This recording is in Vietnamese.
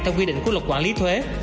theo quy định của luật quản lý thuế